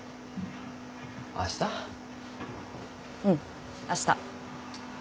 うんあした。